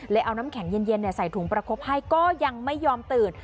เอาน้ำแข็งเย็นใส่ถุงประคบให้ก็ยังไม่ยอมตื่น